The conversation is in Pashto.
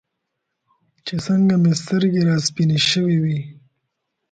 چې څنګه مې سترګې راسپینې شوې وې.